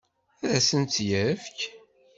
Ad asen-tt-yefk?